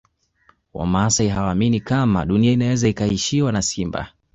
Wamasai hawaamini kama Dunia inaweza ikaishiwa na simba